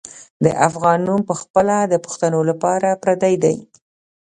د افغان نوم پخپله د پښتنو لپاره پردی دی.